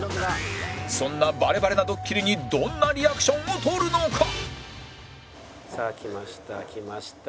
そんなバレバレなドッキリにどんなリアクションを取るのか？さあ来ました来ました。